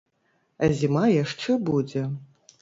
А зіма яшчэ будзе.